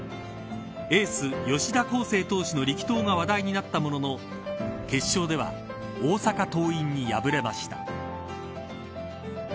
エース吉田輝星投手の力投が話題になったものの決勝では大阪桐蔭に敗れました。